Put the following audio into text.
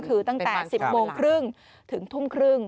คือตั้งแต่๑๐โมงครึ่งถึงทุ่มครึ่ง